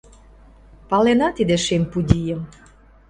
— Палена тиде шем пудийым!